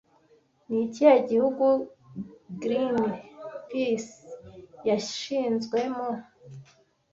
Ni ikihe gihugu Greenpeace yashinzwe mo